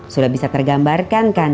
sudah bisa tergambarkan kan